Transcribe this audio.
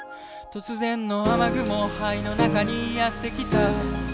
「突然の雨雲肺の中にやってきた」